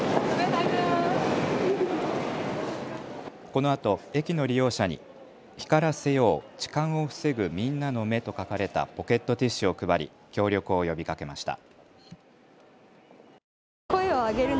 このあと駅の利用者に光らせよう痴漢を防ぐみんなの目と書かれたポケットティッシュを配り協力を呼びかけました。